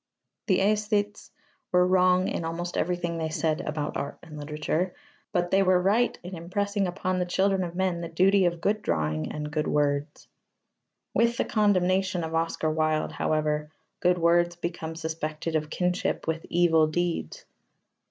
The æsthetes were wrong in almost everything they said about art and literature, but they were right in impressing upon the children of men the duty of good drawing and good words. With the condemnation of Oscar Wilde, however, good words became suspected of kinship with evil deeds.